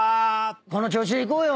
この調子でいこうよ。